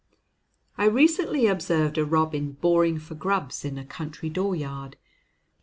I recently observed a robin boring for grubs in a country dooryard.